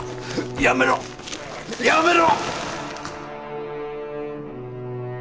やめろッやめろ！